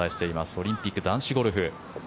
オリンピック男子ゴルフ。